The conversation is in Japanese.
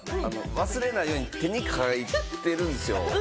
忘れないように手に書いてるんですよ。